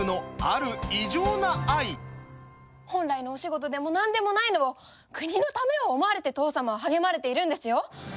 本来のお仕事でも何でもないのを国のためを思われて父さまは励まれているんですよ。